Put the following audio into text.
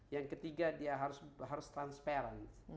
yang ketiga dia harus transparan